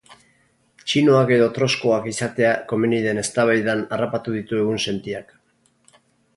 Txinoak edo troskoak izatea komeni den eztabaidan harrapatu ditu egunsentiak.